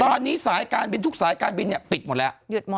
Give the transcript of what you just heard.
ตอนนี้สายการบินทุกสายการบินปิดหมดแล้ว